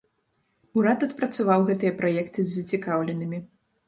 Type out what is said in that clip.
Урад адпрацаваў гэтыя праекты з зацікаўленымі.